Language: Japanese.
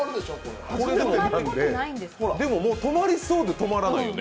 止まりそうで止まらないよね。